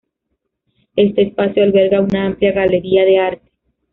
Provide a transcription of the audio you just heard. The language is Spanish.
Este espacio alberga una amplia galería de arte.